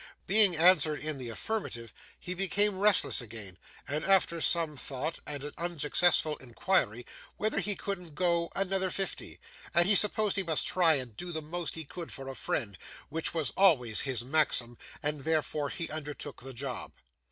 Being answered in the affirmative, he became restless again, and, after some thought, and an unsuccessful inquiry 'whether he couldn't go another fifty,' said he supposed he must try and do the most he could for a friend: which was always his maxim, and therefore he undertook the job.